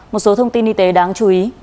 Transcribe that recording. một số thông tin y tế đáng chú ý